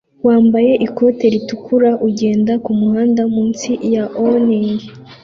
wambaye ikote ritukura ugenda kumuhanda munsi ya awning